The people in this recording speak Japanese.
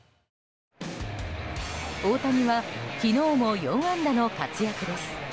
大谷は昨日も４安打の活躍です。